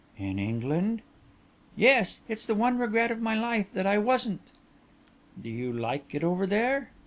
"In England?" "Yes. It's the one regret of my life that I wasn't." "Do you like it over there?"